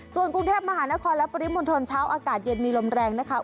ส่วนกรุงเทพมหานครและปริมณฑลเช้าอากาศเย็นมีลมแรงนะคะ